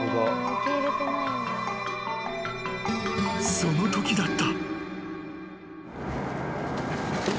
［そのときだった］